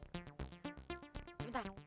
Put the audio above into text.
jangan mati jangan mati